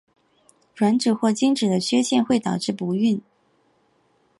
卵子或精子的缺陷会导致不育。